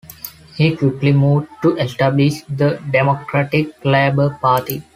He quickly moved to establish the Democratic Labour Party.